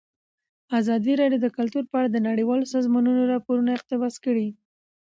ازادي راډیو د کلتور په اړه د نړیوالو سازمانونو راپورونه اقتباس کړي.